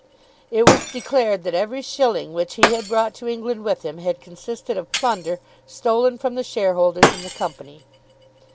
It was declared that every shilling which he had brought to England with him had consisted of plunder stolen from the shareholders in the company.